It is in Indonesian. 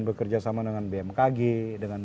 bekerja sama dengan bmkg dengan